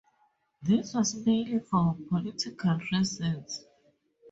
This was mainly for political reasons.